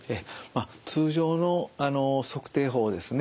通常の測定法ですね